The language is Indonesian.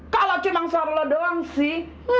kalau cuman suara lo doang sih